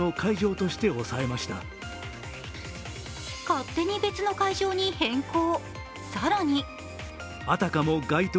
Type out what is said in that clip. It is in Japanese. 勝手に別の会場に変更。